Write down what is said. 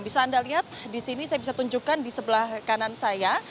bisa anda lihat di sini saya bisa tunjukkan di sebelah kanan saya